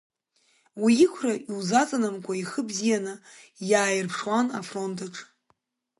Уи иқәра иузаҵанамкуа ихы бзианы иааирԥшуан афронтаҿ.